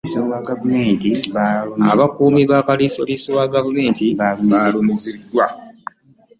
Abakuumi ba kalisoliso wa gavumenti balumizidwa.